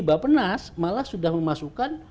bapenas malah sudah memasukkan